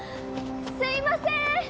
すいません